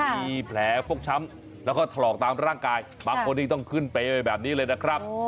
มีแผลฟกช้ำแล้วก็ถลอกตามร่างกายบางคนนี้ต้องขึ้นไปแบบนี้เลยนะครับ